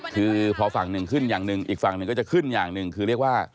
คือพอฝั่งหนึ่งขึ้นอย่างหนึ่งอีกฝั่งหนึ่งก็จะขึ้นอย่างหนึ่งคือเรียกว่า